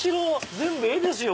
全部絵ですよ。